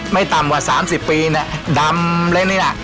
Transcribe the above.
ไม่ต่ำว่าสามสิบปีน่ะดำเร็วนี้น่ะ